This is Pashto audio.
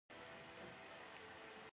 ازادي راډیو د ورزش ته پام اړولی.